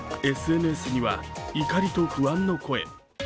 ＳＮＳには、怒りと不安の声。